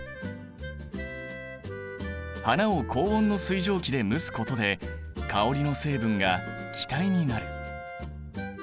花を高温の水蒸気で蒸すことで香りの成分が気体になる。